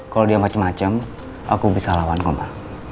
kalau dia macem macem aku bisa lawan koma